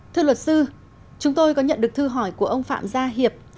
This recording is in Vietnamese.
thưa luật sư chúng tôi có nhận được thư hỏi của ông phạm gia hiệp